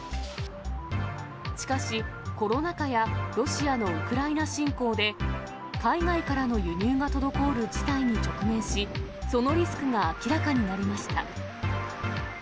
しかし、コロナ禍やロシアのウクライナ侵攻で、海外からの輸入が滞る事態に直面し、そのリスクが明らかになりました。